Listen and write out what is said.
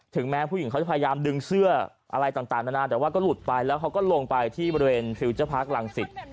แม้ผู้หญิงเขาจะพยายามดึงเสื้ออะไรต่างนานาแต่ว่าก็หลุดไปแล้วเขาก็ลงไปที่บริเวณฟิลเจอร์พาร์คลังศิษย์